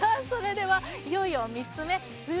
それでは、いよいよ３つ目。